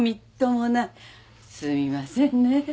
すみませんね。